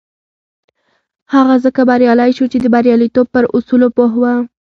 هغه ځکه بريالی شو چې د برياليتوب پر اصولو پوه و.